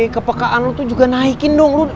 kepekaan lu tuh juga naikin dong